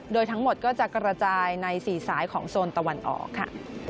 โดยทั้งหมดก็จะกระจายใน๔สายของโซนตะวันออกค่ะ